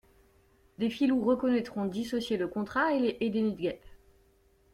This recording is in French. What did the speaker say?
Des filous reconnaîtront dissocier le contrat et des nids de guêpes.